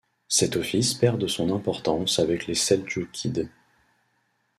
Cet office perd de son importance avec les Seldjoukides.